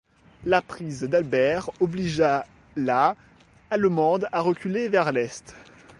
La prise d'Albert obligea la allemande à reculer vers l'est.